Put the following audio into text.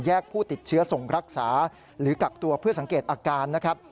ผู้ติดเชื้อส่งรักษาหรือกักตัวเพื่อสังเกตอาการนะครับ